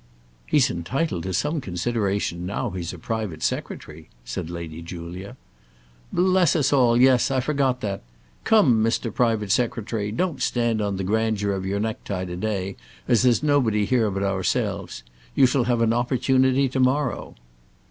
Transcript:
"He's entitled to some consideration now he's a private secretary," said Lady Julia. "Bless us all! yes; I forgot that. Come, Mr. Private Secretary, don't stand on the grandeur of your neck tie to day, as there's nobody here but ourselves. You shall have an opportunity to morrow."